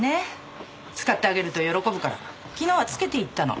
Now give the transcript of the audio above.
使ってあげると喜ぶから昨日は付けていったの。